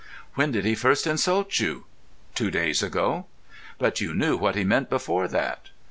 "When did he first insult you?" "Two days ago." "But you knew what he meant before that?"